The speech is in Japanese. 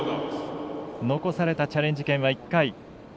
残されたチャレンジ権は１回。